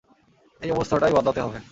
এই অবস্থাটাই বদলাতে হবে।